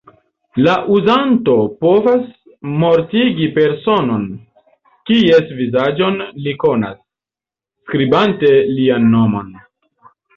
La uzanto povas mortigi personon, kies vizaĝon li konas, skribante lian nomon.